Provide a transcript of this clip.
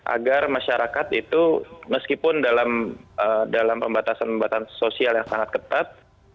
agar masyarakat itu meskipun dalam pembatasan pembatasan sosial yang sangat ketat